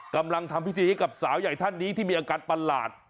กำลังทำพิธีให้กับสาวใหญ่ท่านนี้ที่มีอาการประหลาด